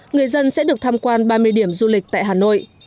người dân sẽ được tham quan ba mươi điểm du lịch tại hà nội